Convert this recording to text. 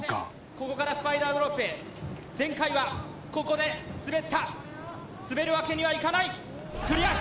ここからスパイダードロップ前回はここで滑った滑るわけにはいかない・よし！